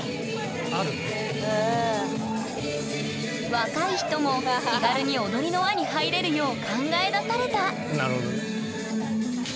若い人も気軽に踊りの輪に入れるよう考え出されたなるほどね。